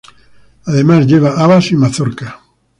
Además, lleva habas y mazorca.